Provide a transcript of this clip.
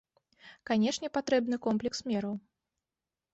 Канешне, патрэбны комплекс мераў.